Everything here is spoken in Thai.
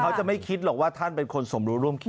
เขาจะไม่คิดหรอกว่าท่านเป็นคนสมรู้ร่วมคิด